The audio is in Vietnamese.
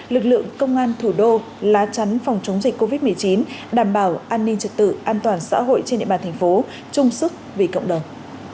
lực lượng công an thủ đô lá chắn phòng chống dịch covid một mươi chín đảm bảo an ninh trật tự an toàn xã hội trên địa bàn thành phố chung sức vì cộng đồng